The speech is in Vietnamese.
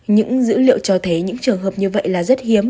những dữ liệu cho thấy những trường hợp như vậy là rất hiếm